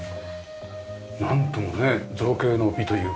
なんともね造形の美というか。